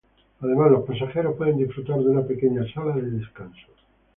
Además los pasajeros pueden disfrutar de una pequeña sala de descanso.